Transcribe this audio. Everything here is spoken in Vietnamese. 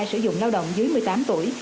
sử dụng lao động dưới một mươi tám tuổi